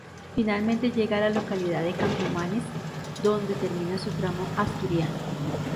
Finalmente llega a la localidad de Campomanes, donde termina su tramo asturiano.